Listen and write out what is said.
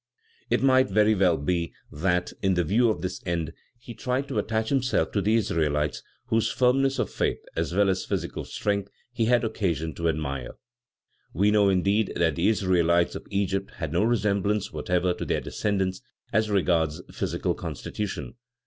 It might very well be that, in view of this end, he tried to attach himself to the Israelites, whose firmness of faith as well as physical strength he had occasion to admire. We know, indeed, that the Israelites of Egypt had no resemblance whatever to their descendants as regards physical constitution.